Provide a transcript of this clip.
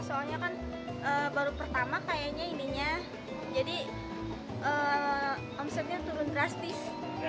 soalnya kan baru pertama kayaknya ininya jadi omsetnya turun drastis